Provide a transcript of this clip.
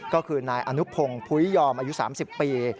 ก็คือนายอนุพงศ์พุยยอมอายุ๓๐ปี